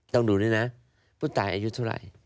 ต้องดูด้วยนะผู้ตายอายุเท่าไหร่